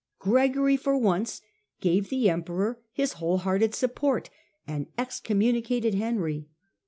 Gregory for once gave the Emperor his whole hearted support, and excommu nicated Henry.